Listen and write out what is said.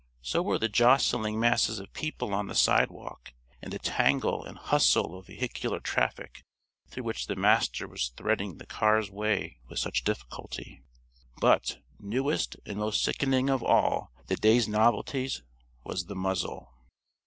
So were the jostling masses of people on the sidewalk and the tangle and hustle of vehicular traffic through which the Master was threading the car's way with such difficulty. But, newest and most sickening of all the day's novelties was the muzzle.